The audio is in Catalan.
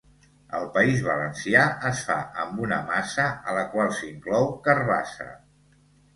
Al País Valencià, es fa amb una massa a la qual s'inclou carabassa.